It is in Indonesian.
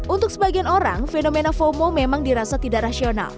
untuk sebagian orang fenomena fomo memang dirasa tidak rasional